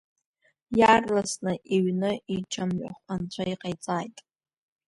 Иаарласны иҩны ичамҩахә Анцәа иҟаиҵааит.